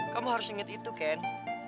kamu harus inget itu kan